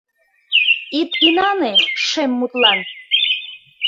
Ит инане шем мутлан!